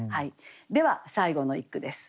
では最後の一句です。